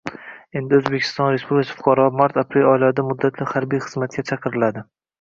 Endi Oʻzbekiston Respublikasi fuqarolari mart-aprel oylarida muddatli harbiy xizmatga chaqiriladi.